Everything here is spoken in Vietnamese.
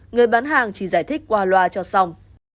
người bán hàng chỉ giải thích qua loa cho xong